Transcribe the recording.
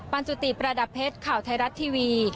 จุติประดับเพชรข่าวไทยรัฐทีวี